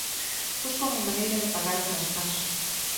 Buscan unha maneira de pagar o traspaso.